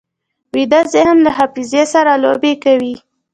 ویده ذهن له حافظې سره لوبې کوي